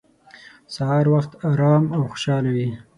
سهار وخت ارام او خوشحاله وي.